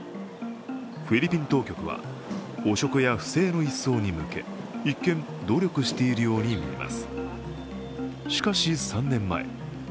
フィリピン当局は汚職や不正の一掃に向け、一見、努力しているように見えます